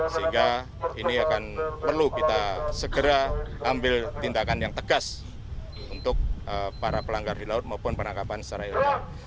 sehingga ini akan perlu kita segera ambil tindakan yang tegas untuk para pelanggar di laut maupun penangkapan secara ilegal